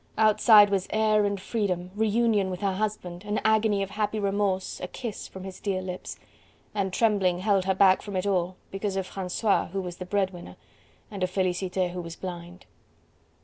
Outside was air and freedom, reunion with her husband, an agony of happy remorse, a kiss from his dear lips, and trembling held her back from it all, because of Francois who was the bread winner and of Felicite who was blind.